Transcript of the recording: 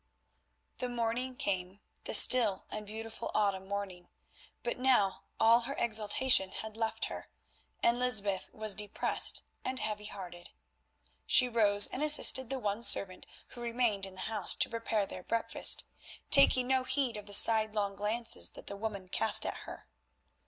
The morning came, the still and beautiful autumn morning, but now all her exultation had left her, and Lysbeth was depressed and heavy hearted. She rose and assisted the one servant who remained in the house to prepare their breakfast, taking no heed of the sidelong glances that the woman cast at her.